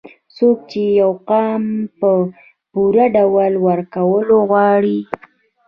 څوک چې يو قام په پوره ډول وروکول غواړي